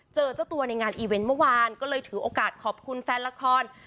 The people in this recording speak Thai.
เจอเจ้าตัวในงานอีเวนต์เมื่อวานก็เลยถือโอกาสขอบคุณแฟนละคร